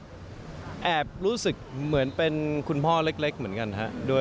พี่ยอมรับว่าแอบรู้สึกเหมือนเป็นคุณพ่อเล็กเหมือนกันครับ